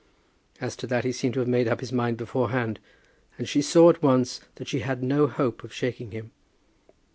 As to that he seemed to have made up his mind beforehand, and she saw at once that she had no hope of shaking him.